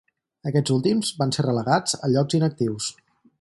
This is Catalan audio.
Aquests últims van ser relegats a llocs inactius.